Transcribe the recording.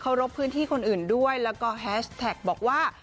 รบพื้นที่คนอื่นด้วยแล้วก็แฮชแท็กบอกว่า